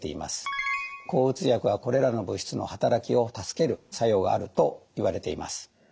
抗うつ薬はこれらの物質の働きを助ける作用があるといわれています。